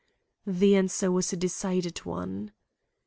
The answer was a decided one.